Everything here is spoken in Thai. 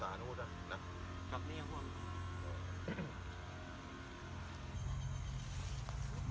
พี่อิฌอะกู้ไพรสว่าง